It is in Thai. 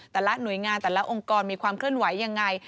แต่ละหน่วยงานแต่ละองค์กรมีความเคลื่อนไหวยังไง